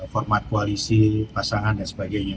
format koalisi pasangan dan sebagainya